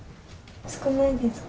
少ないですか？